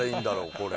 これ。